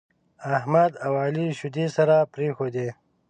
احمد او عالي شيدې سره پرېښودې.